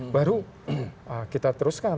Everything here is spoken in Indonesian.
baru kita teruskan